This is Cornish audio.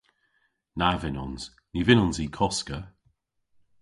Na vynnons. Ny vynnons i koska.